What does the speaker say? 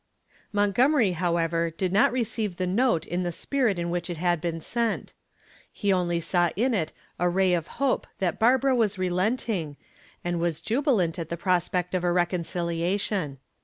Montgomery, however, did not receive the note in the spirit in which it had been sent. He only saw in it a ray of hope that Barbara was relenting and was jubilant at the prospect of a reconciliation.